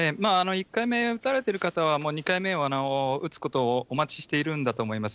１回目を打たれてる方は、２回目を打つことをお待ちしているんだと思います。